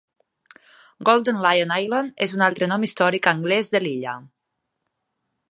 Golden Lion Island és un altre nom històric anglès de l'illa.